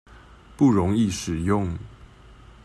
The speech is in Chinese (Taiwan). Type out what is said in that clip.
不容易使用